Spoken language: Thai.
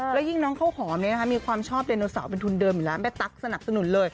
แล้วยิ่งน้องข้าวหอมมีความชอบไดโนเสาร์เป็นทุนเดิมอยู่แล้วแม่ตั๊กสนับสนุนเลย